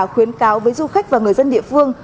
khuyến cáo với du khách và người dân địa phương